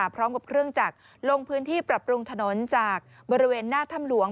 พร้อมกับเครื่องจักรลงพื้นที่ปรับปรุงถนนจากบริเวณหน้าถ้ำหลวง